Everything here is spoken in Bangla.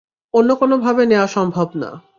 অন্যকোনো ভাবে নেয়া সম্ভব না?